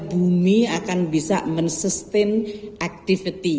bumi akan bisa men sustain activity